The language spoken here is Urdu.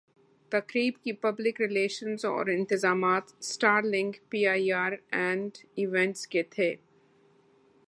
تقریب کی پبلک ریلشنزاورانتظامات star link P R and events کے تھے